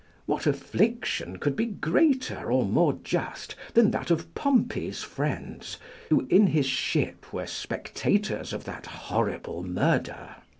What affliction could be greater or more just than that of Pompey's friends, who, in his ship, were spectators of that horrible murder?